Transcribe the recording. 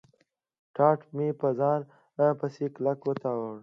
ټاټ مې په ځان پسې کلک و تاړه.